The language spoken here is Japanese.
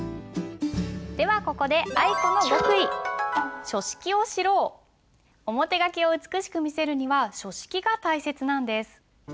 ではここで表書きを美しく見せるには書式が大切なんです。